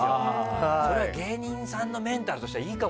芸人さんのメンタルとしてはいいかも。